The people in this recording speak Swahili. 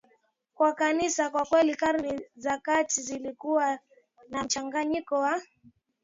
wa Kanisa Kwa kweli Karne za Kati zilikuwa na mchanganyiko wa